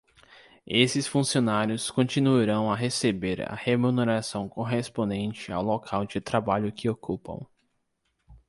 Esses funcionários continuarão a receber a remuneração correspondente ao local de trabalho que ocupam.